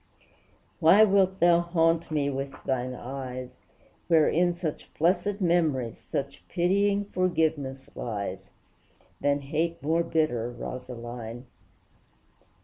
Why wilt thou haunt me with thine eyes, Wherein such blessed memories, Such pitying forgiveness lies, Than hate more bitter, Rosaline?